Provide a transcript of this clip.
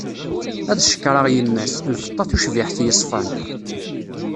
Ad cekkreɣ yemma-s, lfeṭṭa tucbiḥt yeṣfan.